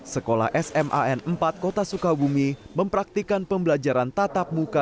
sekolah sman empat kota sukabumi mempraktikan pembelajaran tatap muka